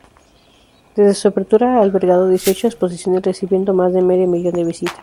Desde su apertura ha albergado dieciocho exposiciones recibiendo más de medio millón de visitas.